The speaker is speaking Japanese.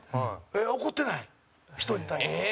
怒ってない、人に対して。